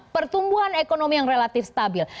pertumbuhan ekonomi yang relatif stabil